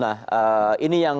nah ini yang